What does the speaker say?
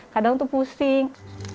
kadang itu pusing